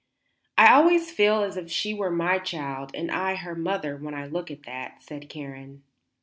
"I always feel as if she were my child and I her mother when I look at that," said Karen.